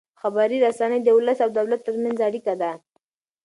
خبري رسنۍ د ولس او دولت ترمنځ اړیکه ده.